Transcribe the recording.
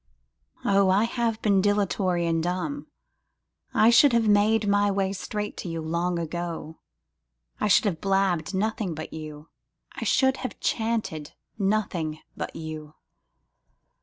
O I have been dilatory and dumb, I should have made my way straight to you long ago, I should have blabbŌĆÖd nothing but you, I should have chanted nothing but you.